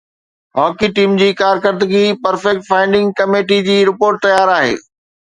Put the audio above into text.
hockey team جي ڪارڪردگي perfect finding committee جي رپورٽ تيار آهي